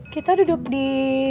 kita duduk di